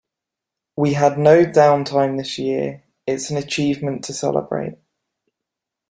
We had no downtime this year. It's an achievement to celebrate.